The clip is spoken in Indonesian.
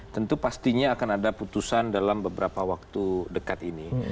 tentu pastinya akan ada putusan dalam beberapa waktu dekat ini